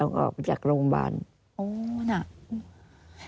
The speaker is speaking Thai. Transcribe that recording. อันดับ๖๓๕จัดใช้วิจิตร